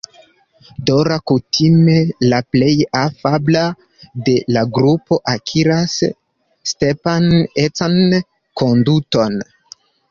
Dora, kutime la plej afabla de la grupo, akiras Stepan-ecan konduton.